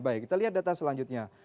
baik kita lihat data selanjutnya